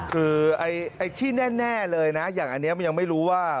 คือไอ้ที่แน่เลยนะอย่างอันนี้มันยังไม่รู้ว่า